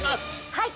◆はい！